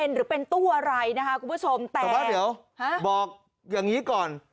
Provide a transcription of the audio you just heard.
หรือเป็นตู้เย็นค่ะค่ะสมมติเดี๋ยวบอกอย่างนี้ก่อน